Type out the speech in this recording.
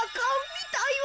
みたいわ。